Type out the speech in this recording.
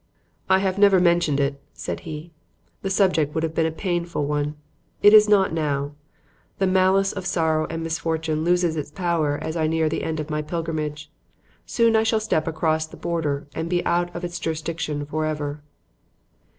"I have never mentioned it," said he. "The subject would have been a painful one. It is not now. The malice of sorrow and misfortune loses its power as I near the end of my pilgrimage. Soon I shall step across the border and be out of its jurisdiction forever."